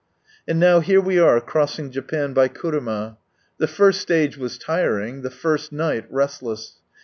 And now here we are crossing Japan by kuruma. The first stage was tiring, the first night restless.